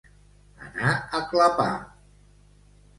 Anar a clapar.